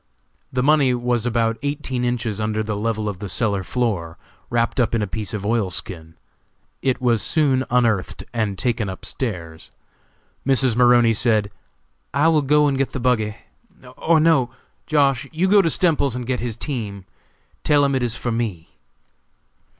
The money was about eighteen inches under the level of the cellar floor, wrapped up in a piece of oil skin. It was soon unearthed and taken up stairs. Mrs. Maroney said: "I will go and get the buggy, or no! Josh.! you go to Stemples's and get his team; tell him it is for me."